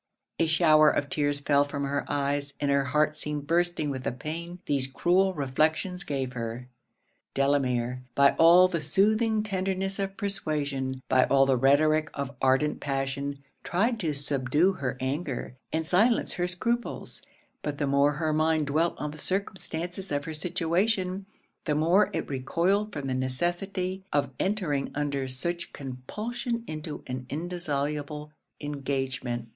A shower of tears fell from her eyes, and her heart seemed bursting with the pain these cruel reflections gave her. Delamere, by all the soothing tenderness of persuasion, by all the rhetoric of ardent passion, tried to subdue her anger, and silence her scruples; but the more her mind dwelt on the circumstances of her situation, the more it recoiled from the necessity of entering under such compulsion into an indissoluble engagement.